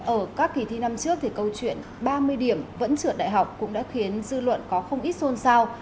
ở các kỳ thi năm trước thì câu chuyện ba mươi điểm vẫn trượt đại học cũng đã khiến dư luận có không ít xôn xao